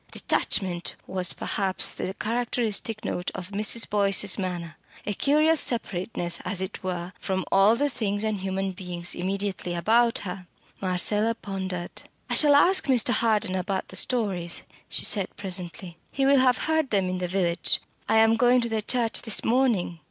Detachment was perhaps the characteristic note of Mrs. Boyce's manner, a curious separateness, as it were, from all the things and human beings immediately about her. Marcella pondered. "I shall ask Mr. Harden about the stories," she said presently. "He will have heard them in the village. I am going to the church this morning."